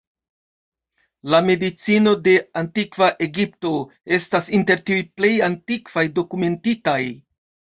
La medicino de Antikva Egipto estas inter tiuj plej antikvaj dokumentitaj.